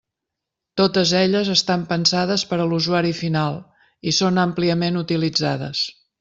Totes elles estan pensades per a l'usuari final i són àmpliament utilitzades.